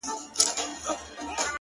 دې لېوني پنځه لمونځونه وکړله نن”